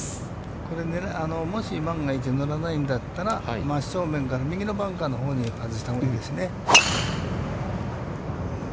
これ、もし万が一乗らないんだったら、真っ正面から右のバンカーのほうに外したほうがいいですね。